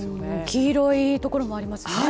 黄色いところもありますね。